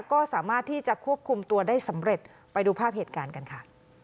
ก็สามารถที่จะควบคุมตัวได้สำเร็จไปดูภาพเหตุการณ์กันค่ะ